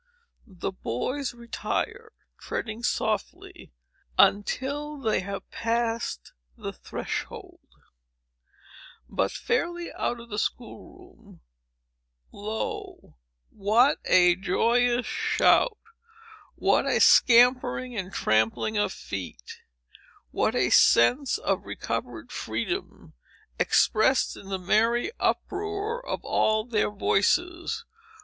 The boys retire, treading softly until they have passed the threshold; but, fairly out of the school room, lo, what a joyous shout!—what a scampering and trampling of feet!—what a sense of recovered freedom, expressed in the merry uproar of all their voices!